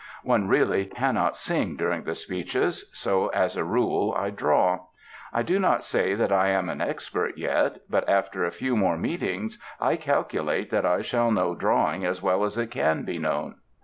One really cannot sing during the speeches; so as a rule I draw. I do not say that I am an expert yet, but after a few more meetings I calculate that I shall know Drawing as well as it can be known.